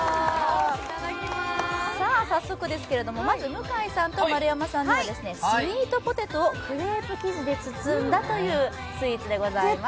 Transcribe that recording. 早速ですけれど、まず向井さんと丸山さんにはスウィートポテトをクレープ生地で包んだというスイーツでございます。